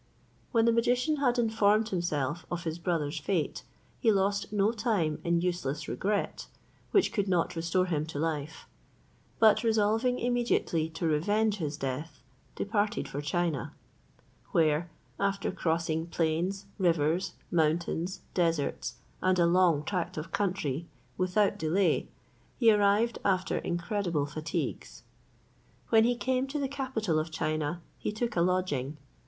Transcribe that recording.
When the magician had informed himself of his brother's fate, he lost no time in useless regret, which could not restore him to life; but resolving immediately to revenge his death, departed for China; where, after crossing plains, rivers, mountains, deserts, and a long tract of country without delay, he arrived after incredible fatigues. When he came to the capital of China, he took a lodging.